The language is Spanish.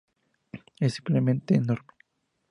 Es simplemente enorme.